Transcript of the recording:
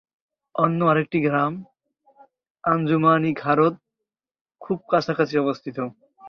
অন্য আরেকটি গ্রাম আঞ্জুমান-ই-খারদ খুব কাছাকাছি অবস্থিত।